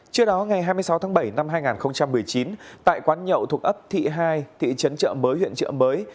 trước đó ngày hai mươi sáu tháng bảy năm hai nghìn một mươi chín tại quán nhậu thuộc ấp thị hai thị trấn trợ mới huyện trợ mới